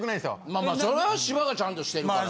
まあまあそれは芝がちゃんとしてるから。